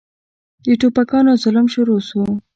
د ټوپکيانو ظلم شروع سو.